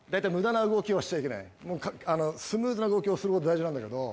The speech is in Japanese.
スムーズな動きをすること大事なんだけど。